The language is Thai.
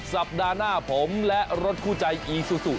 สัปดาห์หน้าผมและรถคู่ใจอีซูซู